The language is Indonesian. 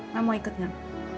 ma mau ikut gak